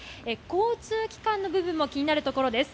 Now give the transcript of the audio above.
交通機関の部分も気になるところです。